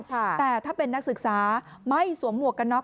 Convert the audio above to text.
แต่ถ้าเป็นนักศึกษาไม่สวมหมวกกันน็อ